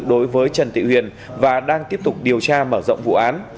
đối với trần thị huyền và đang tiếp tục điều tra mở rộng vụ án